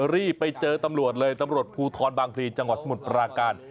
รีบไปเจอตำรวจเลยตำรวจภูทรบางพลีจังหวัดสมุทรปราการ